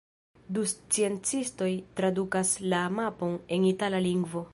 Du sciencistoj tradukas la mapon en itala lingvo.